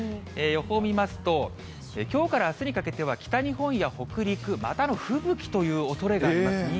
予報見ますと、きょうからあすにかけては、北日本や北陸、また吹雪というおそれがあります。